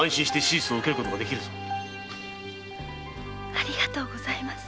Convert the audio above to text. ありがとうございます。